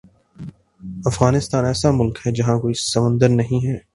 افغانستان ایسا ملک ہے جہاں کوئی سمندر نہیں ہے